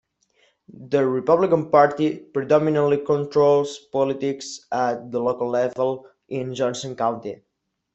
The Republican Party predominantly controls politics at the local level in Johnson County.